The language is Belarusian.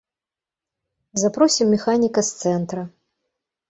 Запросім механіка з цэнтра.